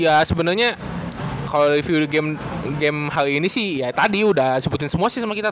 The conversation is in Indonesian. ya sebenarnya kalau dari view game hal ini sih ya tadi udah sebutin semua sih sama kita